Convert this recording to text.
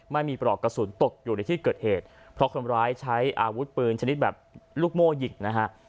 ปลอกกระสุนตกอยู่ในที่เกิดเหตุเพราะคนร้ายใช้อาวุธปืนชนิดแบบลูกโม่ยิงนะฮะ